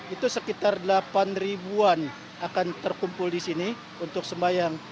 itu sekitar delapan ribuan akan terkumpul di sini untuk sembahyang